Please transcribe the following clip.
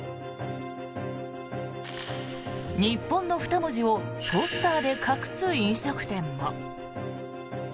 「日本」の２文字をポスターで隠す飲食店も。